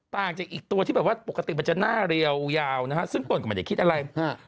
ต่างจากอีกตัวที่แบบว่าปกติมันจะหน้าเรียวยาวนะฮะซึ่งตนก็ไม่ได้คิดอะไร